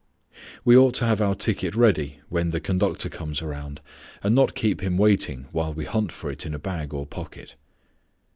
We ought to have our ticket ready when the conductor comes around, and not keep him waiting while we hunt for it in bag or pocket.